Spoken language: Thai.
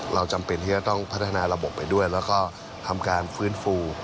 จำเป็นที่จะต้องพัฒนาระบบไปด้วยแล้วก็ทำการฟื้นฟู